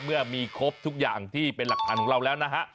เมื่อมีครบทุกอย่างที่เป็นหลักฐานของเราแล้วนะฮะ